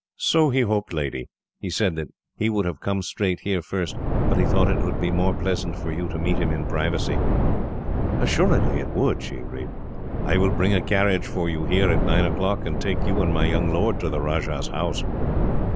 "So he hoped, lady. He said that he would have come straight here, first, but he thought it would be more pleasant for you to meet him in privacy." "Assuredly it would," she agreed. "I will bring a carriage for you, here, at nine o'clock; and take you and my young lord to the Rajah's house."